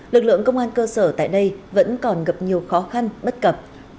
lực lượng công an cơ sở tại đây vẫn còn gặp nhiều khó khăn bất cập